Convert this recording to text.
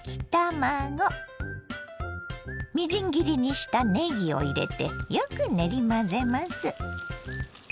みじん切りにしたねぎを入れてよく練り混ぜます。